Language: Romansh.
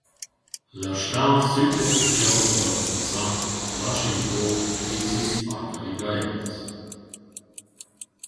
La stà choda e sütta da l’on passà lascha inavo stizis pac allegraivels.